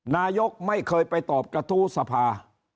นายกไม่เคยไปตอบกระทู้สภา